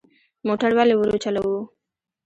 موټر ولې ورو چلوو؟